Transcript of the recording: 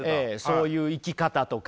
そういう生き方とか。